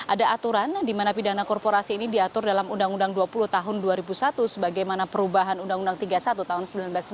ada aturan di mana pidana korporasi ini diatur dalam undang undang dua puluh tahun dua ribu satu sebagaimana perubahan undang undang tiga puluh satu tahun seribu sembilan ratus sembilan puluh